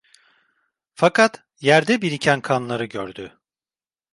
Fakat yerde biriken kanları gördü.